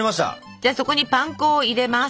じゃあそこにパン粉を入れます。